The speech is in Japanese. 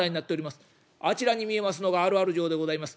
あちらに見えますのがあるある城でございます。